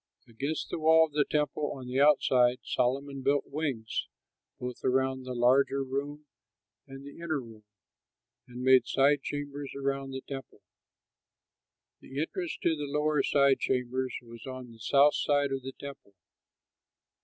Against the wall of the temple on the outside Solomon built wings, both around the larger room and the inner room, and made side chambers around the temple. The entrance to the lower side chambers was on the south side of the temple.